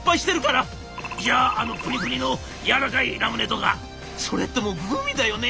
「じゃああのプニプニのやわらかいラムネとか」。「それってもうグミだよね。